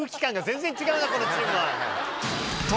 このチームは。